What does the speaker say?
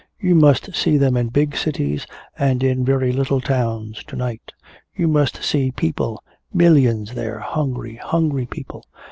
You must see them in big cities and in very little towns to night. You must see people, millions there, hungry, hungry people.